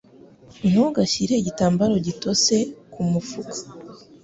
Ntugashyire igitambaro gitose mumufuka.